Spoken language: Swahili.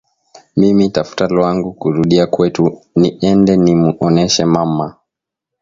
Mina tafuta lwangu ku rudia kwetu ni ende nimu oneshe mama